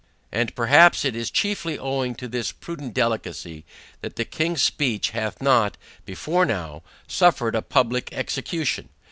And, perhaps, it is chiefly owing to this prudent delicacy, that the King's Speech, hath not, before now, suffered a public execution.